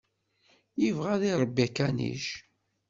Yebɣa ad iṛebbi akanic.